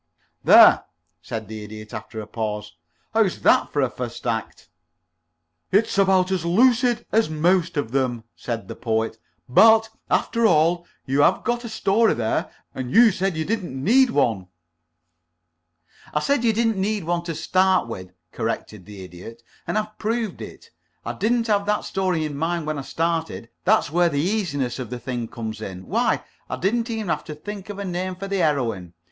"There," said the Idiot, after a pause. "How is that for a first act?" "It's about as lucid as most of them," said the Poet, "but, after all, you have got a story there, and you said you didn't need one." "I said you didn't need one to start with," corrected the Idiot. "And I've proved it. I didn't have that story in mind when I started. That's where the easiness of the thing comes in. Why, I didn't even have to think of a name for the heroine.